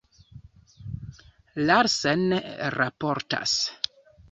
Larsen raportas.